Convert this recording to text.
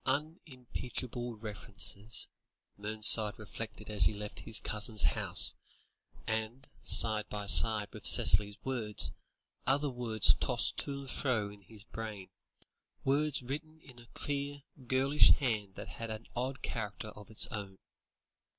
"Unimpeachable references," Mernside reflected as he left his cousin's house; and, side by side with Cicely's words, other words tossed to and fro in his brain, words written in a clear, girlish hand that had an odd character of its own.